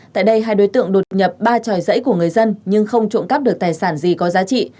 tại đây hai đối tượng đột nhập ba tròi dãy của người dân nhưng không trộm cắp được tài sản gì có giá trị